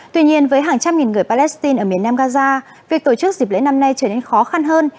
tuy nhiên với hàng trăm nghìn người palestine ở miền nam gaza việc tổ chức dịp lễ năm nay trở nên khó khăn hơn